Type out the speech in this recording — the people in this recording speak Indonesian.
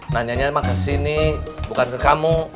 nanyanya emang ke sini bukan ke kamu